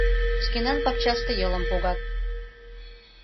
Шкенан пакчаште йылым погат.